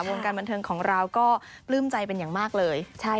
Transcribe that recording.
วงการบันเทิงของเราก็ปลื้มใจเป็นอย่างมากเลย